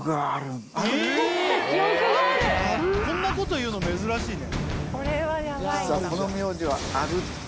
こんなこと言うの珍しいね。